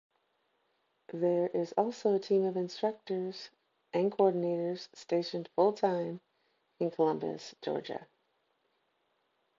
There is also a team of instructors and coordinators stationed full-time in Columbus, Georgia.